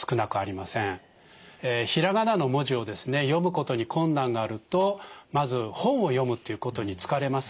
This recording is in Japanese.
ひらがなの文字を読むことに困難があるとまず本を読むということに疲れます。